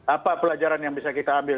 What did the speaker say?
apa pelajaran yang bisa kita ambil